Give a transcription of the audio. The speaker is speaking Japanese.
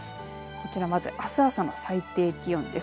こちらまずあす朝の最低気温です。